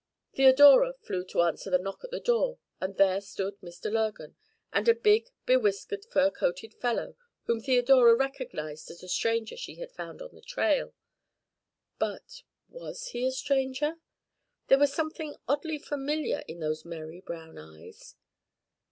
Theodora flew to answer the knock at the door, and there stood Mr. Lurgan and a big, bewhiskered, fur coated fellow whom Theodora recognized as the stranger she had found on the trail. But was he a stranger? There was something oddly familiar in those merry brown eyes.